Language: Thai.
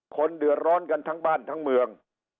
คนเดือดร้อนกันทั้งบ้านทั้งเมือง